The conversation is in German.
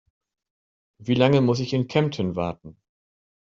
Wie lange muss ich in Kempten warten?